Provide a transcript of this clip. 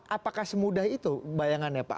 apakah semudah itu bayangannya pak